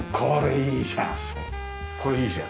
これいいじゃん。